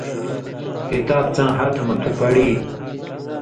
کِتاب څاں ہَتہۡ مہ تُھو، پڑی۔